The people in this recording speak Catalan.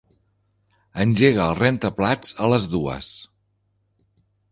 Engega el rentaplats a les dues.